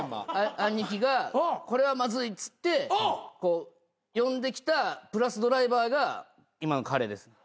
兄貴が「これはまずい」っつって呼んできたプラスドライバーが今の彼です。